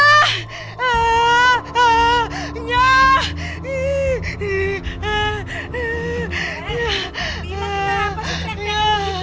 bima kenapa sih kerennya gitu